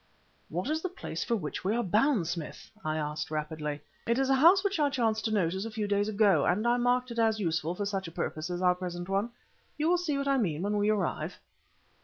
"What is the place for which we are bound, Smith?" I said rapidly. "It is a house which I chanced to notice a few days ago, and I marked it as useful for such a purpose as our present one. You will see what I mean when we arrive."